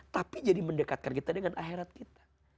tapi jadi mendekatkan kita dengan akhirat kita